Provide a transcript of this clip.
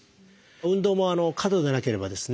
運動も過度でなければですね